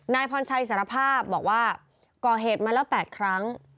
นายพรชัยสารภาพบอกว่าก่อเหตุมาแล้ว๘ครั้ง